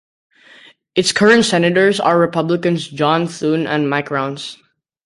Its current senators are Republicans John Thune and Mike Rounds.